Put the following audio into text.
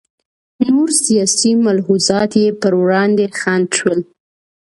نور سیاسي ملحوظات یې پر وړاندې خنډ شول.